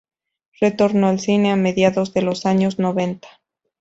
Retornó al cine a mediados de los años noventa.